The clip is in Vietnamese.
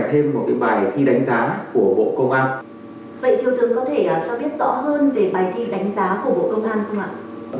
vậy thiêu thường có thể cho biết rõ hơn về bài thi đánh giá của bộ công an không ạ